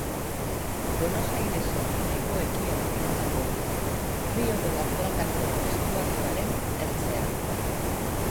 Buenos Airesen hego-ekialdean dago, Rio de la Platako estuarioaren ertzean.